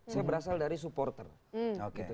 saya berasal dari supporter